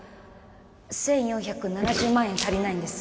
１４７０万円足りないんです